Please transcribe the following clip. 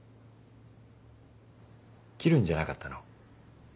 切るんじゃなかったの？